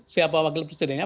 siapa wakil presidennya